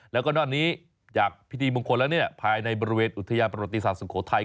แล้วก็นอกจากนี้จากพิธีมงคลแล้วเนี่ยภายในบริเวณอุทยานประวัติศาสตร์สุโขทัย